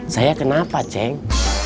saya kenapa cek